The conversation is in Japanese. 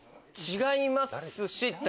違いますし。